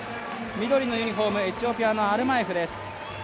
緑のユニフォーム、エチオピアのアルマエフです。